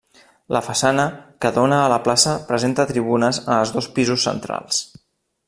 La façana que dóna a la plaça presenta tribunes en els dos pisos centrals.